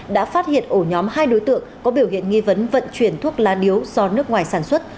đã phát hiện ổ nhóm hai đối tượng có biểu hiện nghi vấn vận chuyển thuốc lá điếu do nước ngoài sản xuất